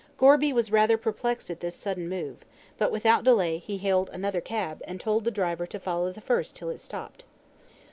Gorby was rather perplexed at this sudden move, but without delay, he hailed another cab, and told the driver to follow the first till it stopped.